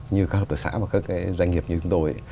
như các hợp tổ xã và các doanh nghiệp như chúng tôi